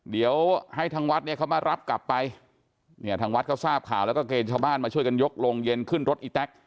เดี๋ยวให้ทางวัดเนี่ยเขามารับกลับไปเนี่ยทางวัดเขาทราบข่าวแล้วก็เกณฑ์ชาวบ้านมาช่วยกันยกโรงเย็นขึ้นรถอีแต๊ก